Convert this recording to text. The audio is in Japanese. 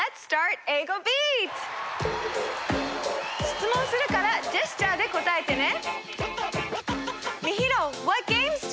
しつもんするからジェスチャーで答えてね。